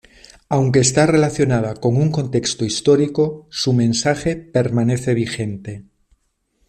Aunque está relacionada con un contexto histórico, su mensaje permanece vigente.